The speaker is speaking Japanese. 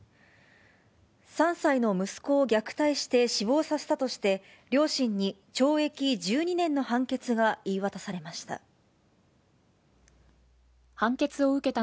３歳の息子を虐待して死亡させたとして、両親に懲役１２年の判決が言い渡されました。